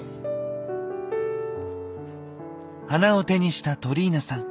花を手にしたトリーナさん。